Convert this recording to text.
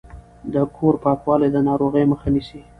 د کور پاکوالی د ناروغیو مخه نیسي۔